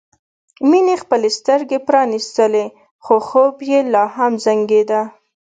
مينې خپلې سترګې پرانيستلې خو خوب یې لا هم زنګېده